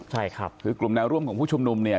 ใช่ครับคือกลุ่มแนวร่วมของผู้ชุมนุมเนี่ย